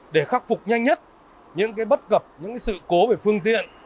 để khắc phục nhanh nhất những bất cập những sự cố về phương tiện